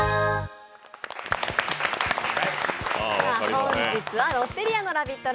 本日はロッテリアのラヴィット！